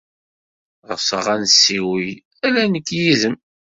Ɣseɣ ad nessiwel ala nekk yid-m.